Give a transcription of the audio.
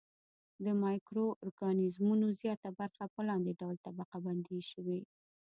د مایکرو ارګانیزمونو زیاته برخه په لاندې ډول طبقه بندي شوې.